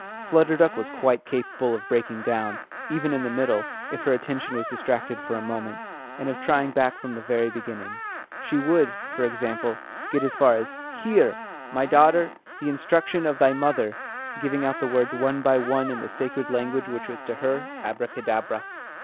Flutter Duck was quite capable of breaking down, even in the middle, if her attention was distracted for a moment, and of trying back from the very beginning. She would, for example, get as far as "Hear my daughter the instruction of thy mother," giving out the words one by one in the sacred language which was to her abracadabra.